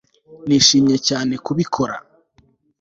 Nishimiye cyane kubikora